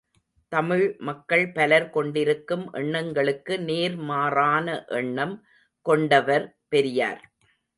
தமிழ் மக்கள் பலர் கொண்டிருக்கும் எண்ணங்களுக்கு நேர் மாறான எண்ணம் கொண்டவர் பெரியார்.